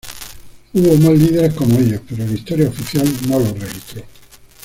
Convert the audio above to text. Hubo más líderes como ellos, pero la historia oficial no los registró.